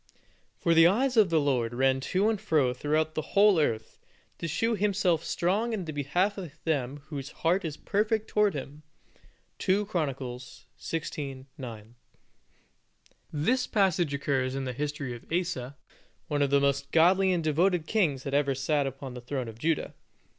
For the eyes of the Lord ran to and fro throughout the whole earth, to shew Himself strong in the behalf of them whose heart is perfect toward Him 2 CHRON. xvi. 9. This passage occurs in the history of Asa, one of the most godly and devoted kings that ever sat upon the throne of Judah.